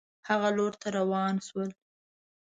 هغه لور ته روان شول.